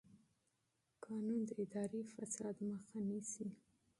قانون د اداري فساد مخه نیسي.